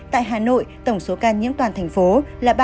tại hà nội tổng số ca nhiễm toàn thành phố là ba mươi hai bốn mươi bốn ca